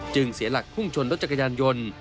เสียหลักพุ่งชนรถจักรยานยนต์